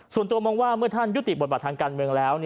ส่วนตัวมองว่าเมื่อท่านยุติบทบาททางการเมืองแล้ว